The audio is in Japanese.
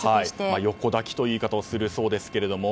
横抱きという言い方をするそうですが。